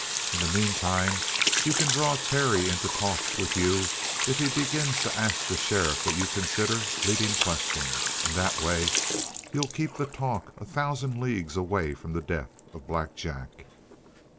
In the meantime you can draw Terry into talk with you if he begins to ask the sheriff what you consider leading questions. In that way, you'll keep the talk a thousand leagues away from the death of Black Jack."